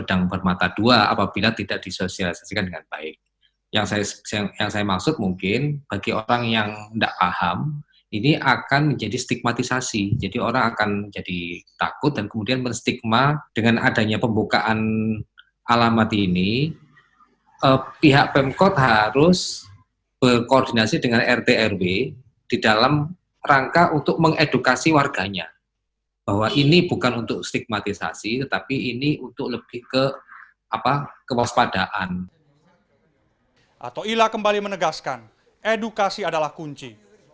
atau ilah kembali menegaskan edukasi adalah kunci